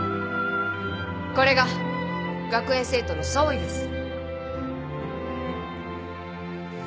これが学園生徒の総意です。